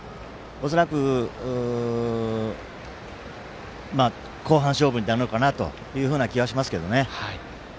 恐らく後半勝負になるのかなという気がしますけどね。